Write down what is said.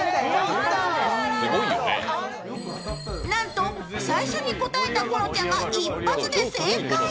なんと、最初に答えた、このちゃんが一発で正解。